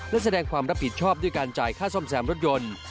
และแสดงความรับผิดชอบด้วยการจ่ายค่าซ่อมแซมรถยนต์